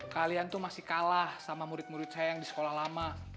kalian tuh masih kalah sama murid murid saya yang di sekolah lama